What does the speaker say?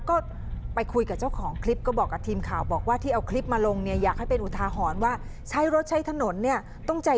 ก็ไปคุยกับเจ้าของคลิปก็บอกกับทีมข่าวบอกว่าที่เอาคลิปมาลงเนี่ยอยากให้เป็นอุทาหรณ์ว่าใช้รถใช้ถนนเนี่ยต้องใจ